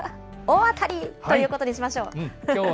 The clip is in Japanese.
大当たり！ということにしましょう。